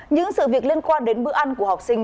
những sự việc liên quan đến bữa ăn của học sinh